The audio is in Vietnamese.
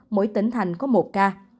mỗi tỉnh thành có một ca